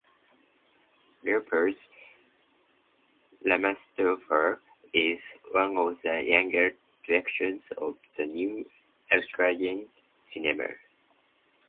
Leopold Lummerstorfer is one of the younger directors of the new Austrian cinema.